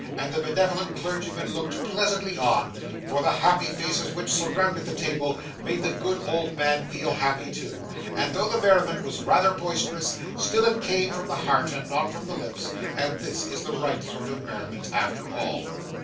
And the benevolent clergyman looked pleasantly on; for the happy faces which surrounded the table made the good old man feel happy too; and though the merriment was rather boisterous, still it came from the heart and not from the lips; and this is the right sort of merriment, after all.